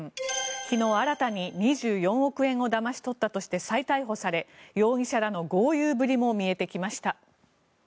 昨日、新たに２４億円をだまし取ったとして再逮捕され容疑者らの豪遊ぶりも見えてきました。